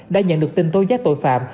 đã nhận được tin tố giác tội phạm